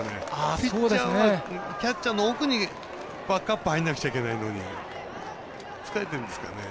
ピッチャーがキャッチャーの奥にバックアップ入らないといけないのに疲れてるんですかね。